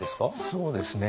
そうですね。